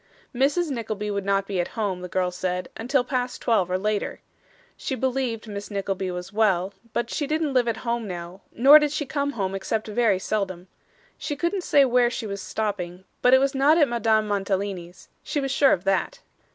Mrs. Nickleby would not be at home, the girl said, until past twelve, or later. She believed Miss Nickleby was well, but she didn't live at home now, nor did she come home except very seldom. She couldn't say where she was stopping, but it was not at Madame Mantalini's. She was sure of that.